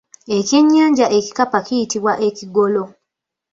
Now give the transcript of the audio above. Ekyennyanja ekikapa kiyitibwa ekigolo.